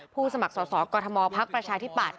สมัครสอกรธมพักประชาธิปัตย